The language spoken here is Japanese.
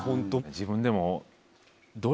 自分でも。